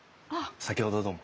先ほどはどうも。